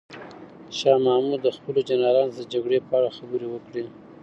شاه محمود د خپلو جنرالانو سره د جګړې په اړه خبرې وکړې.